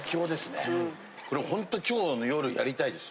これホント今日の夜やりたいです。